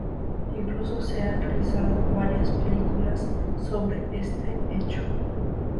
Incluso se han realizado varias películas sobre este hecho.